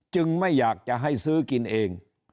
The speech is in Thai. ไม่อยากจะให้ซื้อกินเอง